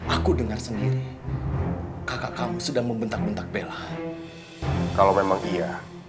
aku dengar sendiri kakak kamu sedang membentak bentak bela kalau memang iya